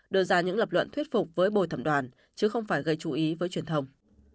đưa ra những lập luận thuyết phục với bồi thẩm đoàn chứ không phải gây chú ý với truyền thông